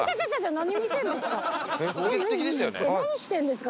何してるんですか？